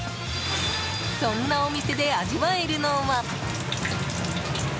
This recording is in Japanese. そんなお店で味わえるのは。